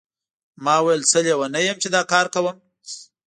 ما ویل څه لیونی یم چې دا کار کوم.